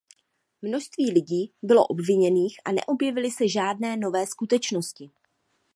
Množství lidí bylo obviněných a neobjevily se žádné nové skutečnosti.